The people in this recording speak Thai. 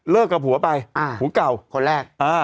กับผัวไปผัวเก่าคนแรก